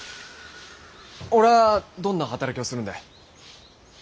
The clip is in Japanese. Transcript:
俺はどんな働きをするんで？